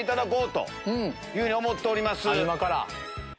今から。